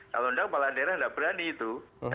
kalau enggak kepala daerah tidak berani itu